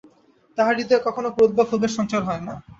তাঁহার হৃদয়ে কখনও ক্রোধ বা ক্ষোভের সঞ্চার হয় না।